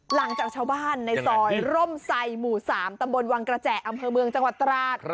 หลังจากชาวบ้านในซอยร่มไซหมู่๓ตำบลวังกระแจอำเภอเมืองจังหวัดตราด